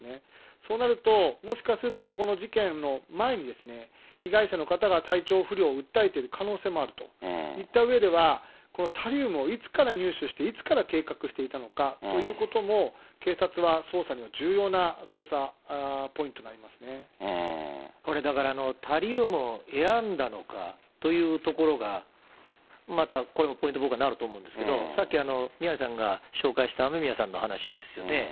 そうなるともしかするとこの事件の前に、被害者の方が体調不良を訴えている可能性もあるといったうえでは、このタリウムをいつから入手して、いつから計画していたのかということも警察は捜査には重要な捜査これだから、タリウムを選んだのかというところが、またこれもポイントに僕はなると思うんですが、さっき宮根さんが紹介した雨宮さんの話ですよね。